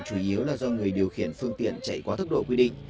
chủ yếu là do người điều khiển phương tiện chạy qua thức độ quy định